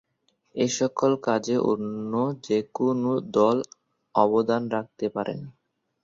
এসকল কাজে অন্য যেকোনো দল অবদান রাখতে পারেন।